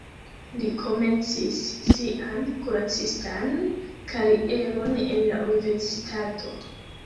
Li komencis sian kuracistan karieron en la universitato.